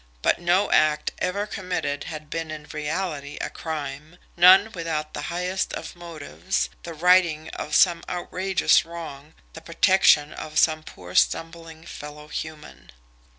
But no act ever committed had been in reality a crime none without the highest of motives, the righting of some outrageous wrong, the protection of some poor stumbling fellow human.